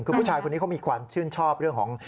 คือผู้ชายคนนี้เขามีความชื่นชอบเรื่องของ